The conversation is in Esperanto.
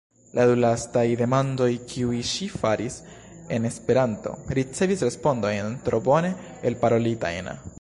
La du lastaj demandoj, kiujn ŝi faris en Esperanto, ricevis respondojn tro bone elparolitajn.